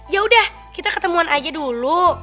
yaudah kita ketemuan aja dulu